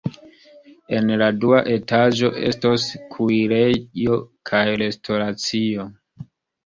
En la dua etaĝo estos kuirejo kaj restoracio.